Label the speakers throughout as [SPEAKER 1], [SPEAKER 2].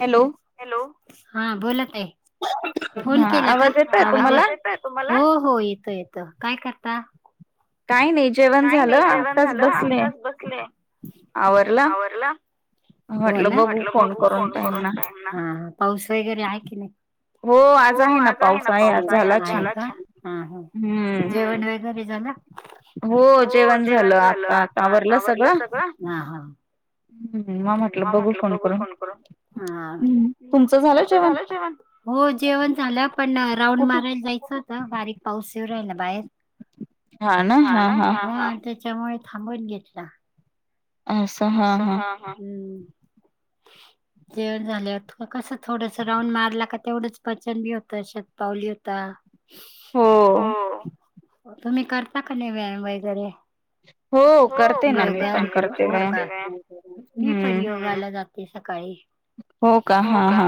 [SPEAKER 1] Hello.
[SPEAKER 2] Hello, हा बोला ताई, फोन केला का? आवाज येतोय? हो हो, येतं येतं. काय करता?
[SPEAKER 1] काय नाही जेवन
[SPEAKER 2] काय नाही, जेवण झालं. आताच बसले, आवरल. हो ना, म्हटलं बघु फोन करून काय, हा हा पाऊस वगैरे हाय की नाही. हो आज आहे ना पाऊस आहे. आज झाला ना. हो जेवण झालं. आताच आवरलं सगळं.
[SPEAKER 1] म म्हटलं बघू फोन करून.
[SPEAKER 2] तुमच झालं जेवण? हो जेवण झालं पण, राऊंड मारायला जायचं. तर बारीक पाऊस येऊ राहिला बाहेर.
[SPEAKER 1] हा ना, हा हा.
[SPEAKER 2] भांडे त्याच्यामुळे थांबून घेतला. आ का? हा हा.
[SPEAKER 1] ह [inaudible]
[SPEAKER 2] जेवण झाल्या त कसं? थोडस राऊंड मारला का तेवढंच पचन बी होतं. शेतपावली होता.
[SPEAKER 1] हो.
[SPEAKER 2] तुम्ही करता का नाही व्यायाम वगैरे?
[SPEAKER 1] हो करते ना, मी पण करते व्यायाम.
[SPEAKER 2] मी पण योगाला जाते सकाळी. हो का?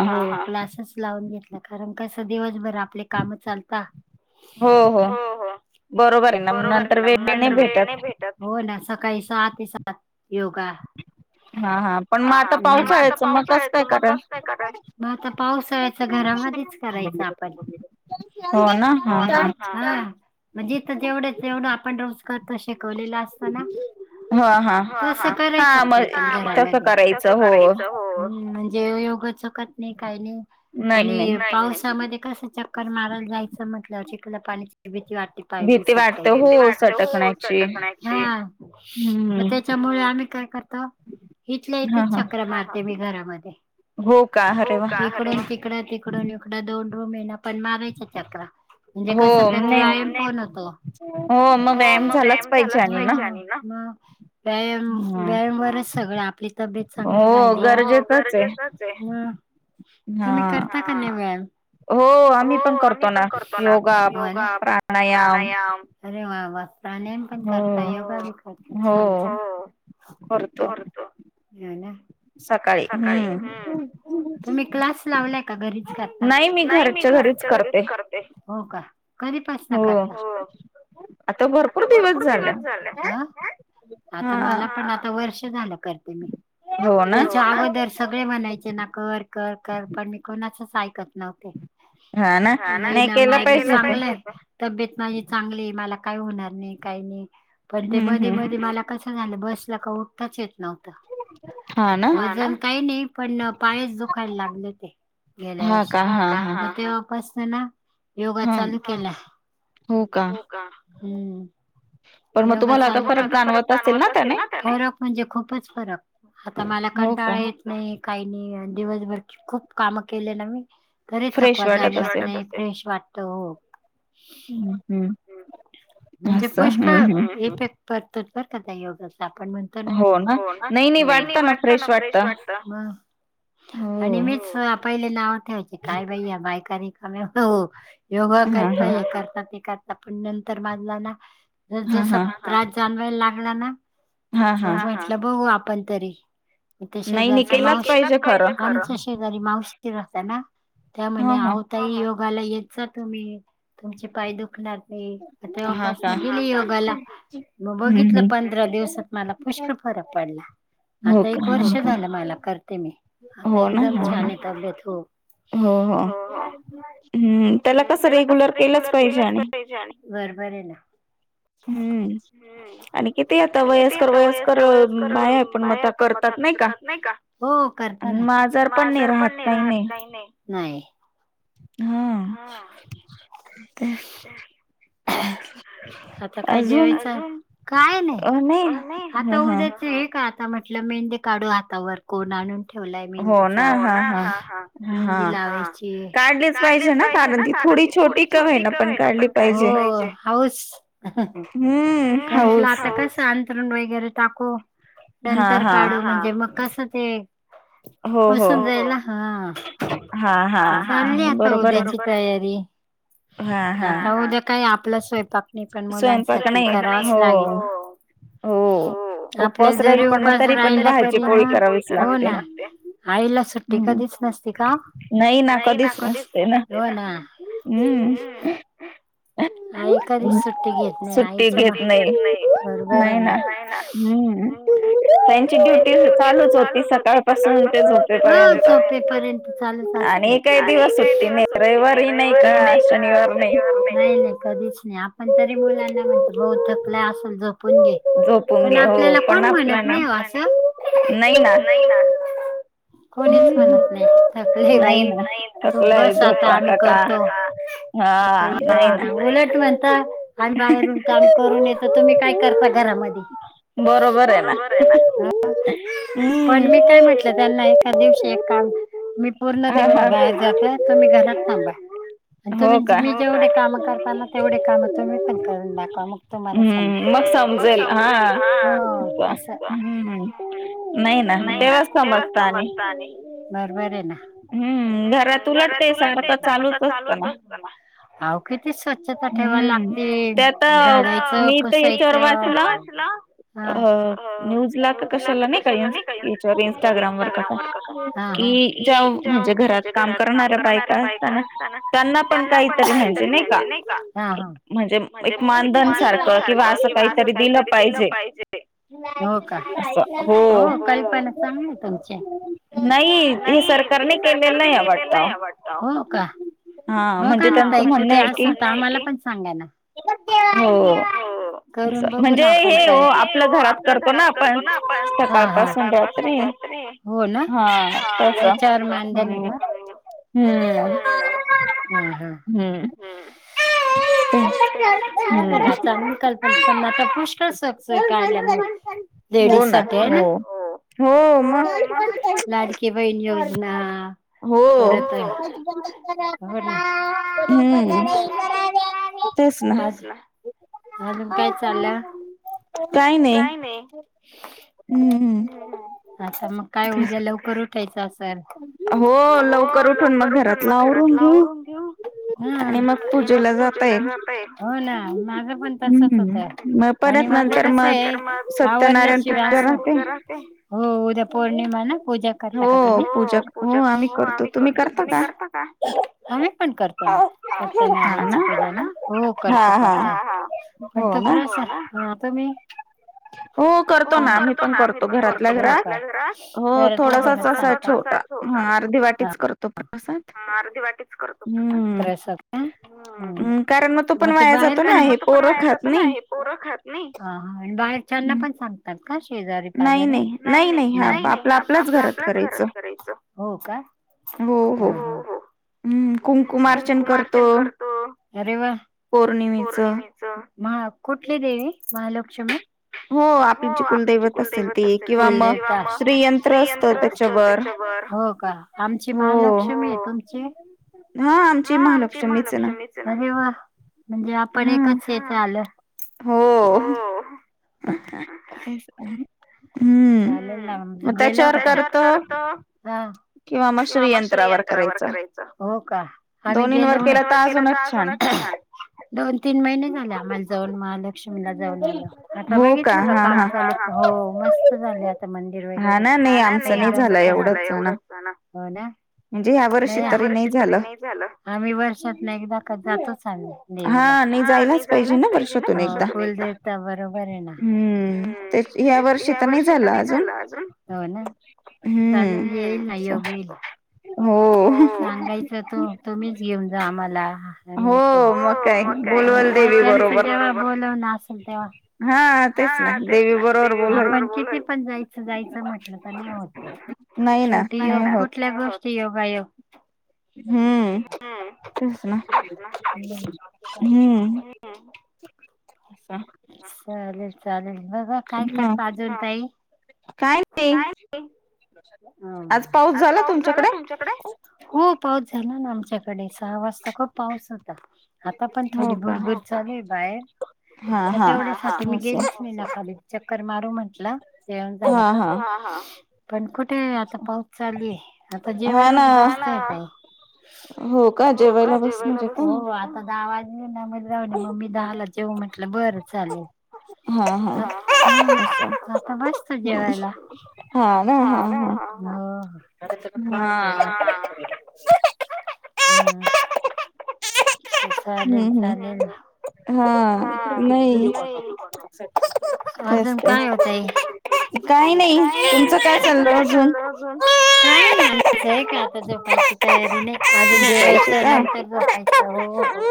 [SPEAKER 2] क्लासेस लावून घेतले. कारण कसं दिवसभर आपले काम चालता?
[SPEAKER 1] हो हो, बरोबर हाय ना म, नंतर वेळ नाही भेटत.
[SPEAKER 2] हो ना, सकाळी सहा ते सात योगा.
[SPEAKER 1] ह [inaudible]
[SPEAKER 2] हा हा, पण मग आता पावसाळयाच, मग कस काय कराय म आता पावसाळयाच घरामध्येच करायच आपन, हो ना. म्हणजे इथं जेवढे तेवढं आपण रोजगार तर शिकवलेलं असतं ना. हा तस करायच आपन करायचं घरामध्ये हो म्हणजे उगाच चूकत नाही काही नाही आणि पावसामध्ये कस च्या चक्कर माराला जायचं म्हटलं, चिकला पाण्याची भीती वाटते.
[SPEAKER 1] भीती वाटते हो सटकण्याची
[SPEAKER 2] हा मग त्याच्यामुळे आम्ही काय करतो, इथल्या इथेच चक्रा मारतो. ते मी घरामध्ये हो का? तिकडून हिकड, तिकडून हीकड ध दोन रूम ये. पण मारायच्या चक्रा म्हणजे कस त्यात व्यायाम पण होत हो मग व्यायाम झाला पाहिजे. आणि ना म व्यायाम व्यायामवरच सगळ आपली तब्येत चांगली राहिली ओ गरजेच ते म तुम्ही करता का ना व्यायाम हो आम्ही पण करतो ना योगा, प्राणायाम अरे वा वा प्राणायाम पण कर ता योगा बी करता छान हो करतो हो ना सकाळी हूं तुम्ही क्लास लावलाय का घरीच करता. नाही मी घरी च्या घरीच करते हो का कधी पासना करता? हो आता भरपूर दिवस झाले. हं आता मला पण आता वर्ष झालं करते मी याच्या अगोदर सगळे म्हणायचे ना कर कर कर पण मी कोणाचच ऐकत नव्हते. हा ना नाय केला पाहिजे आता वीना मायली चांगलंय. तब्येत माझी चांगलीये मला काय होणार नाही काय नाही पण ते मधी मधी मला कस झाल बसला का उठताच येत नव्हतं. वजन काही नाही पण पायच दुखायला लागले होते गेल्या वर्षी हा का हा हा म तेव्हा पासना ना योगा चालू केला. हो का हम्म योगा चालू तुम्हाला आता फरक जाणवतं असेल ना त्यांनी फरक म्हणजे खूपच फरक आता मला कंटाळा येत नही काय नही अनं दिवसभर खूप काम केले न मी तरी थकवा जाणवत नाही फ्रेश वाटत हो.
[SPEAKER 1] हम्म, हम्म असं हम्म, हम्म
[SPEAKER 2] इफेक्ट पडतोच बरं का त्या योगाचा आपण म्हण तो ना, हो ना नाही, नाही वाटत ना फ्रेश वाटतं. म आणि मीच पहिले नाव ठेवायचे काय बाई या बायकांनी आम्ही हो योगा करता हे करता ते करता पण नंतर माल्ला ना जसं जसा त्रास जाणवायला लागला ना मग म्हटलं बघू आपण तरी म त्या शेजारच्या मावशी, नाही नाही केलाच पाहिजे खरं शेजारी मावशी ते राहता ना त्या म्हणे आहो ताई योगा ला येत जा तुम्ही तुमचे पाय दुखणार नाही. म तेव्हा पासना गेली योगाला म बघितलं पंधरा दिवसात मला पुष्कळ फरक पडला. आता एक वर्ष झालं मला करते मी आता एकदम छान ये तब्बेत हो.
[SPEAKER 1] हो, हो, हम्म त्याला कस रेग्युलर केलंच पाहिजे आणि
[SPEAKER 2] बरबर ये ना
[SPEAKER 1] हम्म आणि किती आता वयस्कर वयस्कर बायां ये पण म त्या करतात नाय का
[SPEAKER 2] हो करता ना, म आजारपण नाही राहात काही नाही. नाही.
[SPEAKER 1] हा तेच
[SPEAKER 2] आता काय जेवायचं, अजून काय नाय अ नाई आता उद्याच हे का आता म्हटलं मेहंदी काढू हातावर कोण आणून ठेवलाय मेहंदीचा, हो ना हा हा मेहंदी लावायची. काढलीच पाहिजे ना कारण की थोडी छोटी काय होय ना पण काढली पाहिजे. हो हौस हं हं हम्मं म्हटलं आंता कसं अंथरून वगैरें टाकूं. नंतर काढूं म्हणजे मंग कसं ते. फसूंन जायंला हं हां कांहीं नाहीं आंता बरोबर आहे तयारी आंता उद्यां कायं आपल्या स्वयंपाक. नाहीं पणं मुलांसाठी करावांच लागेन
[SPEAKER 1] हो.
[SPEAKER 2] आपल्या जरी उपवास राहिला तरी भाजी पोळी करावीं लागते हो नां आईला सुट्टी.. ती कधीचं नसती कां
[SPEAKER 1] नाहीं नां कधीचं नसती
[SPEAKER 2] हो नां. कधीं सुट्टी घेतं नाहीं आईचं मनं नाहीं बरोबर आहे नां. त्यांची ड्युंटी चालूंच होती सकाळीं पासनं झोपेपर्यंत. चालूंच असते आणि
[SPEAKER 1] सुट्टी नाहीं कां रविवारी नाहीं कां शनिवार नाहीं.
[SPEAKER 2] नाहीं नाहीं कधीचं नाहीं आपणं तरी मुलांना म्हणतो भाऊ थकला असलं झोपूंन घे. पणं आपल्यांला कोणं म्हणतं नाहीं हो असं. कोणीच म्हणतं नाहीं सगळे बाई.. तूं बसं आंता आम्हीं करतो कां उलटं म्हणतां आम्हीं बाहेरून कामं करूंन येतो तुम्हीं कायं करतां घरी. घरांमधी. बरोबर आहे नां पणं मी कायं म्हटलं त्यांना. एखाद्या दिवशी एक कामं करां मी पूर्ण दिवसं बाहेर जातोय तुम्हीं घरांत थांबा. आणि तुम्हीं मी जेवढे कामं करतेना तेवढे कामं तुम्हीं पणं करूंन दाखवां मंग तुम्हांला समजेल हम्मं मंग समजेल असं कसं कायं नाहीं नां तेंव्हा चं समसंत बरोबर आहे नां
[SPEAKER 1] हम्मं घरांत
[SPEAKER 2] घरांतनूच ते सारखं चालूंच असतां आओ किती स्वच्छता ठेवावी लागते ते आंता झाडाचं पुसायच मी तरं सर्वांना हम्मं आं म्हंटलं आंता कशाला नाहीं कां तयार करती इंस्टाग्राम वरं की कायं हां हां
[SPEAKER 1] जे म्हणजे घरांत कामं करणारं बायकां असतांना त्यांना पणं कांहींतरी कामं म्हहिजे नाहीं कां म्हणजे एक मानधन सारखं किंवा असं कांहींतरी दिलं पाहिजे असां हो नाहीं हे सरकारने केलेलं नाहीं वाटतं.
[SPEAKER 2] हो कां बघां नां ताई कुंठे असं तरं आम्हांला पणं सांगा नां. करूंन बघूंन आपणं आपल्या घरांत. करतो नां आपणं सकाळंपासून रात्री होनां. तरं मान
[SPEAKER 1] हम्मं हम्मं
[SPEAKER 2] चाले नां चं निकल पणं पणं आंता पुष्कळचगचय काढल्यामुळें लेडीज साठी आहे नां हो लाडकी बहीण योजना
[SPEAKER 1] हो हम्मं बोलां
[SPEAKER 2] अजूंन कायं चालं कायं नाहीं हम्मं आंता मंग कायं उद्यां लवकरं उठायचं असलं हो लवकरं उठूंन मंग घरांत लावरूंन घेऊं हम्मं आणि मंग पूजेला जे हो ना माझं पण तसच होत आणि माझ कस हाय.. आवरल्याशिवाय असं हो उद्या पौर्णिमा ना पूजा करता का तुम्ही? हो. पूजा हो आम्ही करतो तुम्ही करता का? आम्ही पण करतो ना सत्य नारायण ची पुजा ना हो हो करतो करतो. पण तो प्रसाद हा तुम्ही
[SPEAKER 1] हो करतो ना आम्ही पण करतो, घरातल्या घरात हो थोडासाच असा छोटा हा अर्धी वाटीच करतो प्रसाद हम्म! हम्म कारण मग तो पण वाया जातो ना हे पोर खात नाही.
[SPEAKER 2] पोरं खात नाही आणि बाहेच्याना पण सांगतात. का शेजारी पाजारी नाही नाही नाही नाही आप आप आपलाच घरात करायचं. हो का? हो हो. हम्म कुंकूमार्चंन करतो अरे वा पौर्णिमे हा महा कुठली देवी महालक्ष्मी? हो आपली जी कुलदैवत असेल किंवा मग श्रीयंत्र असत त्याच्यावर हो का आमची महालक्ष्मी तुमची? हा आमची महालक्ष्मी. अरे वा म्हणजे आपण एकच साईड ने आलो.
[SPEAKER 1] हो!
[SPEAKER 2] [inaudible]
[SPEAKER 1] हम्म, मग त्याच्यावर करतो.
[SPEAKER 2] हाव. किंवा म श्रीयंत्रावर करायच हो का आम्ही गेल्यावर स्क्रीन वर केलं तर अजूनच छान. दोन तीन महिने झाले आम्हाला जाऊन मालक. तुमला जाऊन आलो, आता बघीतल का काम चालु होते हा हा हो मस्त झाल म्हण. वगैरे हा ना नाही आमचं नाही झालं एवढच छान हो ना.
[SPEAKER 1] म्हणजे यावर
[SPEAKER 2] नाही या वर्षी तरी नाही झालं आम्ही वर्षात न एकदा का जातोच आम्ही देवीला
[SPEAKER 1] जायलाच पाहिजे ना वर्षातून एकदा.
[SPEAKER 2] तुझ्या इथं बरोबर हाय ना हम्म या वर्षी तर नाही झालं अजून हो ना. चालेल येईल ना एवढी येईल. हो सांगायचं तु तुम्हीच घेऊन जा आम्हाला आम्ही येतो हो मग. म काय त्यांच जेव्हा बोलवण असेल तेव्हा.
[SPEAKER 1] हा!
[SPEAKER 2] हा तेच ना आपण किती पण जायच जायचं म्हटलं तर नाही होत ते. शेवटी योग कुठल्या गोष्टी योगायोग
[SPEAKER 1] हम्म तेच ना हम्म! [unintelligible]
[SPEAKER 2] चालेल चालेल बघा काय करता अजून काही. काय हम्म, आज पाऊस झाला तुमच्याकडे? हो पाऊस झाला ना आमच्याकडे सहा वाजता खूप पाऊस होता. आता पण थोडी भुरभुर चालूय हाय बाहेर. म तेवढ्यासाठी मी गेलीच नाही ना खाली चक्कर मारू म्हटलं. जेवन झालं का? हा हा पण कुठे आता पाऊस चालूये. तर जेवायलाच बसता काय? हो का जेवायला बस्स आता गावात. हे ना मग जावणे मम्मी दहाला जेव म्हटलं बरं चालेल.
[SPEAKER 1] हा हा असं.
[SPEAKER 2] आता बसतो जेवायला. हा ना हा हा हा हा. [unintelligible]
[SPEAKER 1] हम्म हम्म हा इकडे नाही. हम्म तेच ते काही नाही तुमचं काय चाललो अजून?
[SPEAKER 2] काय नाही आमचं [unintelligible] का आता जोपायची. तयारी नाही का अजून जेवायचं नंतर झोपायच हो हो.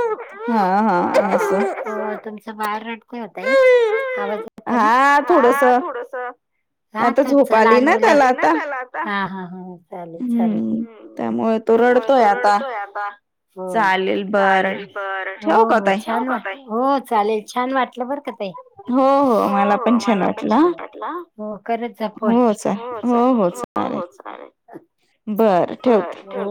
[SPEAKER 2] तुमचं बाळ रडतंय ओ ताई आवाज [unintelligible] ना हा थोडसा हा तेच लहान मुली झोप आली ना त्याला ता हा हा हा चालेल चालेल हम्म. त्यामुळे तो रडतोय आता हो. चालेल बरं हो हो छान वाट हो चालेल छान वाटलं बरं का ताई. हो हो मला पण छान वाटलं हो करत जा फोन हो चाल. हो हो चालेल.
[SPEAKER 1] बरं ठेवते.